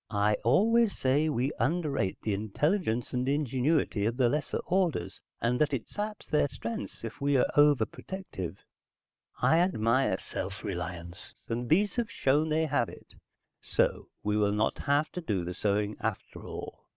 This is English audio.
"I always say we underrate the intelligence and ingenuity of the lesser orders, and that it saps their strengths if we are overprotective. I admire self reliance, and these have shown they have it. So we will not have to do the sewing after all.